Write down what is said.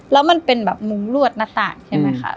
แล้วมันเป็นแบบมุ้งลวดหน้าต่างใช่ไหมคะ